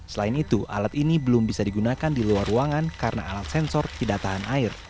selain itu alat ini belum bisa digunakan di luar ruangan karena alat sensor tidak tahan air